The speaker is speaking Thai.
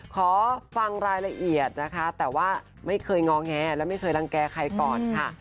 ขอฟังรายละเอียดนะคะแต่ว่าไม่เคยงอแงและไม่เคยรังแก่ใครก่อนค่ะ